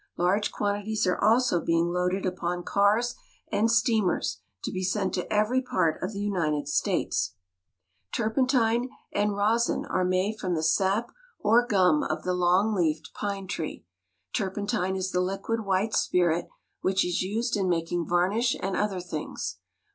Large quan tities are also being loaded upon cars and steamers to be sent to every part of the United States. On the Wharves at Savannah. Turpentine and rosin are made from the sap or gum of the long leafed pine tree. Turpentine is the liquid white spirit which is used in making varnish and other things.